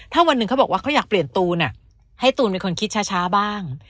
ถ้าวันหนึ่งเขาบอกว่าเขาอยากเปลี่ยนตูนให้ตูนเป็นคนคิดช้าบ้าง